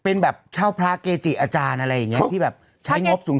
เป็นแบบเช่าพระเกจิอาจารย์อะไรอย่างนี้ที่แบบใช้งบสูง